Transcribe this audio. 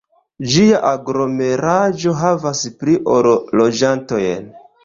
Ĝia aglomeraĵo havas pli ol loĝantojn.